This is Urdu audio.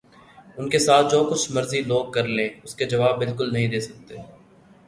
ان کے ساتھ جو کچھ مرضی لوگ کر لیں اس کے جواب بالکل نہیں دے سکتے